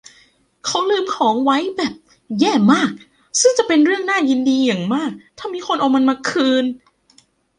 เขาลืมของไว้แบบแย่มากซึ่งจะเป็นเรื่องน่ายินดีอย่างมากถ้ามีคนเอามันมาคืน